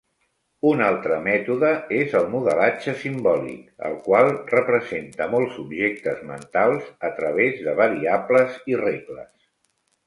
Un altre mètode és el modelatge simbòlic, el qual representa molts objectes mentals a través de variables i regles.